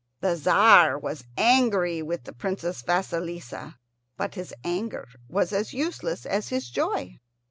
The Tzar was angry with the Princess Vasilissa, but his anger was as useless as his joy.